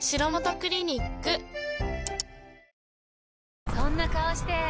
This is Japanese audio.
わぁそんな顔して！